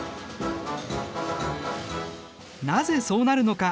なぜそうなるのか。